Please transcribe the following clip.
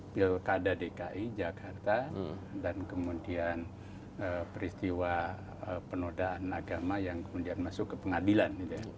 pilkada dki jakarta dan kemudian peristiwa penodaan agama yang kemudian masuk ke pengadilan